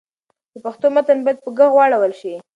د پښتو متن باید په ږغ واړول شي.